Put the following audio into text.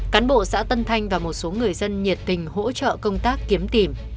cán bộ xã tân thanh và một số người dân nhiệt tình hỗ trợ công tác kiếm tìm